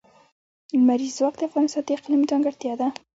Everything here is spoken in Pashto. لمریز ځواک د افغانستان د اقلیم ځانګړتیا ده.